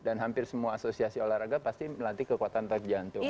dan hampir semua asosiasi olahraga pasti melatih kekuatan otot jantung